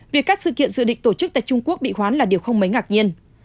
việc các sự kiện dự định tổ chức tại trung quốc bị hoán là điều không mấy ngạc nhiên